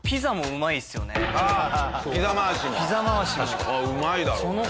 うまいだろうね。